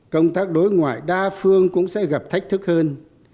công tác đối ngoại đa phương cũng sẽ gặp thách thức hơn